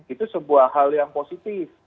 itu sebuah hal yang positif